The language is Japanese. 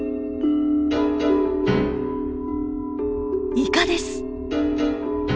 イカです！